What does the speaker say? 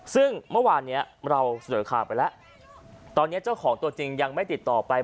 ซึ่งเมื่อวานเนี้ยเราเสนอข่าวไปแล้วตอนนี้เจ้าของตัวจริงยังไม่ติดต่อไป